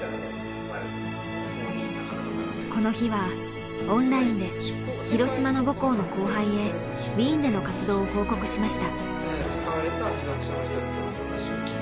この日はオンラインで広島の母校の後輩へウィーンでの活動を報告しました。